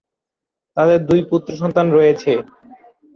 তাদের দুই পুত্র সন্তান রয়েছে।